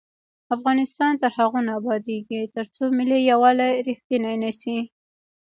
افغانستان تر هغو نه ابادیږي، ترڅو ملي یووالی رښتینی نشي.